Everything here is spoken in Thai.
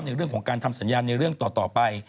ในเรื่องของการทำสัญญาณในเรื่องต่อไป